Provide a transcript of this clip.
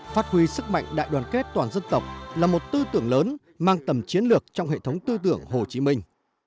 phát huy sức mạnh đại đoàn kết toàn dân tộc là một tư tưởng lớn mang tầm chiến lược trong hệ thống tư tưởng hồ chí minh